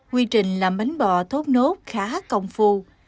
quy trình làm bánh bò thốt nốt khá công phu